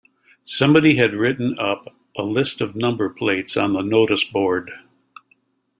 Somebody had written up a list of number plates on the noticeboard